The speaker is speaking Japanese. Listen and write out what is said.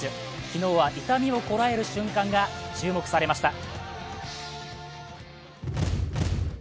昨日は痛みをこらえる瞬間が注目されました。